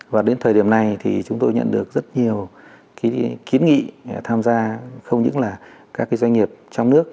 và đến thời điểm này thì chúng tôi nhận được rất nhiều kiến nghị tham gia không những là các doanh nghiệp trong nước